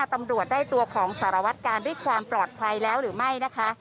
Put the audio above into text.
ตำรวจได้ตัวของสารวัตการณ์ด้วยความปลอดภัยแล้วหรือไม่นะคะ